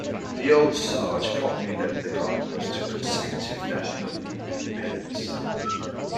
The Old Sarge promptly led the Cardinals to consecutive National League pennants.